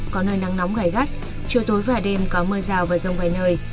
chiều tối và đêm có mưa rào và rông vài nơi